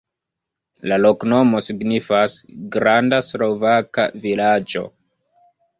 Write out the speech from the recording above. La loknomo signifas: granda-slovaka-vilaĝo.